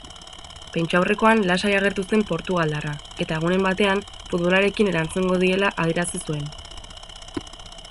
Prentsaurrekoan lasai agertu zen portugaldarra eta egunen baten futbolarekin erantzungo diela adierazi zuen.